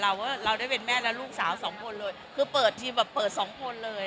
ว่าเราได้เป็นแม่และลูกสาวสองคนเลยคือเปิดทีมแบบเปิดสองคนเลย